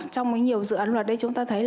trong nhiều dự án luật chúng ta thấy